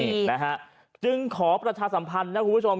นี่นะฮะจึงขอประชาสัมพันธ์นะคุณผู้ชม